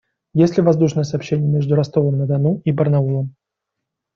Есть ли воздушное сообщение между Ростовом-на-Дону и Барнаулом?